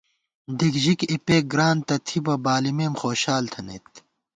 دِک ژِک اپېک گران تہ تِھبہ ، بالِمېم خوشال تھنَئیت